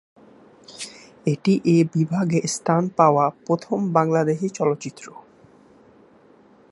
এটি এ বিভাগে স্থান পাওয়া প্রথম বাংলাদেশী চলচ্চিত্র।